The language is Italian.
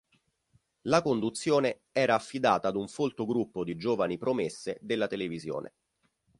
La conduzione era affidata ad un folto gruppo di giovani "promesse" della televisione.